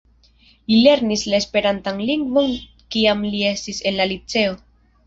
Li lernis la esperantan lingvon kiam li estis en la liceo.